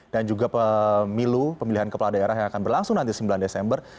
dan juga pemilu pemilihan kepala daerah yang akan berlangsung nanti sembilan desember